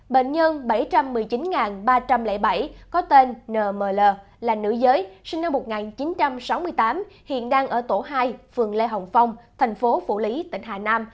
bệnh nhân bảy trăm một mươi chín ba trăm linh bảy có tên nm là nữ giới sinh năm một nghìn chín trăm sáu mươi tám hiện đang ở tổ hai phường lê hồng phong thành phố phủ lý tỉnh hà nam